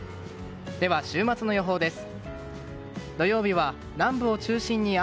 では、週末の予報です。